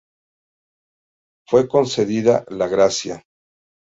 Fue concedida la gracia.